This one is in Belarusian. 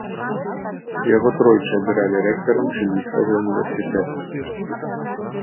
Яго тройчы абіралі рэктарам чылійскага універсітэта.